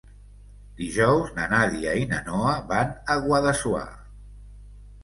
Dijous na Nàdia i na Noa van a Guadassuar.